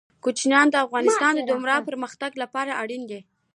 کوچیان د افغانستان د دوامداره پرمختګ لپاره اړین دي.